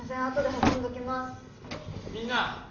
あとで運んでおきますみんな！